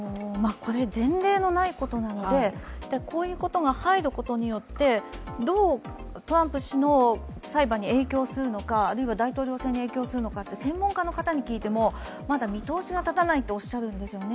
前例のないことなので、こういうことが入ることによって、どうトランプ氏の裁判に影響するのかあるいは大統領選に影響するのかって専門家の方に聞いてもまだ見通しが立たないとおっしゃるんですよね。